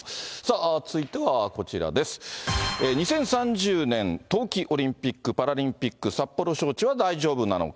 ２０３０年冬季オリンピック・パラリンピック、札幌招致は大丈夫なのか。